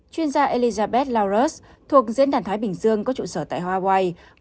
chuyên gia elizabeth lawrence thuộc diễn đàn thái bình dương có trụ sở tại hawaii